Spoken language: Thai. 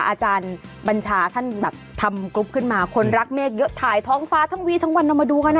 อาจารย์บัญชาท่านแบบทำกรุ๊ปขึ้นมาคนรักเมฆเยอะถ่ายท้องฟ้าทั้งวีทั้งวันเอามาดูกันนะ